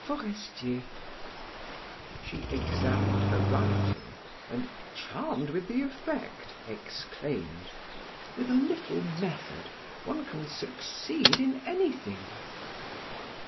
Forestier." She examined her writing, and, charmed with the effect, exclaimed: "With a little method one can succeed in anything."